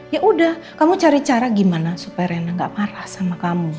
ya udah kamu cari cara gimana supaya rena gak parah sama kamu